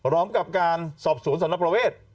ร้องกับการสอบสวนสนประเวท